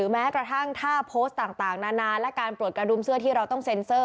แม้กระทั่งถ้าโพสต์ต่างนานาและการปลดกระดุมเสื้อที่เราต้องเซ็นเซอร์